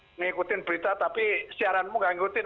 ngikutin berita tapi siaranmu nggak ngikutin